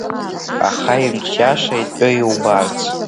Аха имҿиаша итәы иубац…